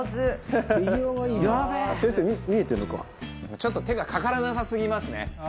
「ちょっと手がかからなさすぎますね」